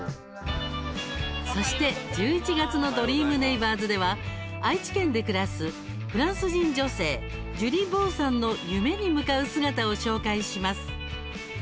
そして、１１月の「ドリーム★ネイバーズ」では愛知県で暮らすフランス人女性ジュリ・ボゥさんの夢に向かう姿を紹介します。